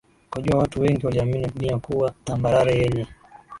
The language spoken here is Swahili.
Ukajua Watu wengi waliamini dunia kuwa tambarare yenye